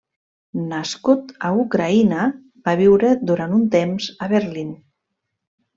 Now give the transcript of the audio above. Nascut a Ucraïna, va viure durant un temps a Berlín.